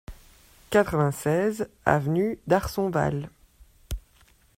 quatre-vingt-seize avenue d'Arsonval